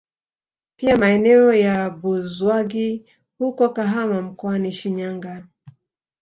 Pia maeneo ya Buzwagi huko Kahama mkoani Shinyanga